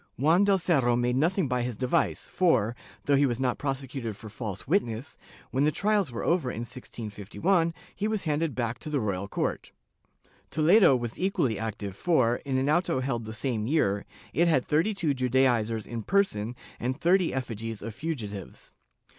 Juan del Cerro made nothing by his device for, though he was not prosecuted for false witness, when the trials were over in 1651, he was handed back to the royal court.^ Toledo was equally active for, in an auto held the same year, it had thirty two Judaizers in person and thirty effigies of fugitives.